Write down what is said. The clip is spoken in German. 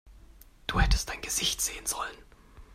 Du hättest dein Gesicht sehen sollen!